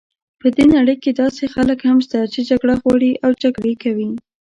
په دې نړۍ کې داسې خلک هم شته چې جګړه غواړي او جګړې کوي.